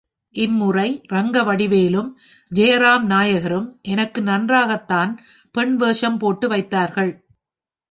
இம்முறை ரங்கவடிவேலுவும், ஜெயராம் நாயகரும் எனக்கு நன்றாகத்தான் பெண் வேஷம் போட்டு வைத்தார்கள்.